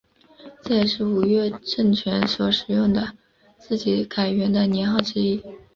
这也是吴越政权所使用的自己改元的年号之一。